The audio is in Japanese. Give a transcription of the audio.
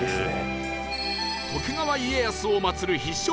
徳川家康を祭る必勝